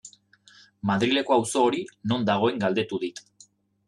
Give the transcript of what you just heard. Madrileko auzo hori non dagoen galdetu dit.